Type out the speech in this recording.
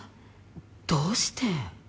どうして？